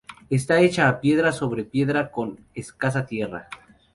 Está hecha a piedra sobre piedra con escasa tierra.